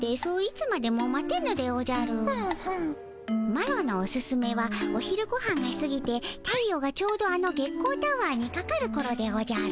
マロのおすすめはお昼ごはんがすぎて太陽がちょうどあの月光タワーにかかるころでおじゃる。